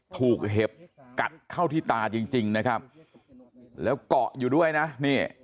เห็บกัดเข้าที่ตาจริงจริงนะครับแล้วเกาะอยู่ด้วยนะนี่